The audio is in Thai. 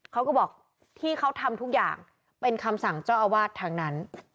เขาก็บอกที่เขาทำทุกอย่างเป็นคำสั่งเจ้าอาวาสทั้งนั้น